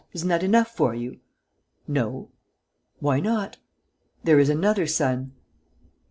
Isn't that enough for you?" "No." "Why not?" "There is another son."